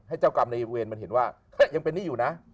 ให้เจ้ากรรมในวัยสูง